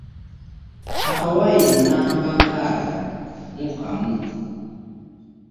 Akawaayiro nnamba nkaaga mu kamu